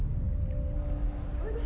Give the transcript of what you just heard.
おいで！